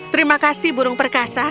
terima kasih burung perkasa